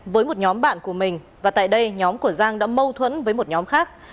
với một nhóm bạn của mình và tại đây nhóm của giang đã mâu thuẫn với một nhóm khác